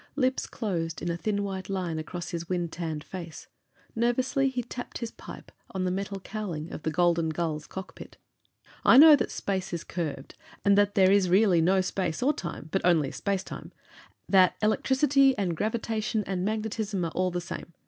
Lips closed in a thin white line across his wind tanned face; nervously he tapped his pipe on the metal cowling of the Golden Gull's cockpit. "I know that space is curved, that there is really no space or time, but only space time, that electricity and gravitation and magnetism are all the same.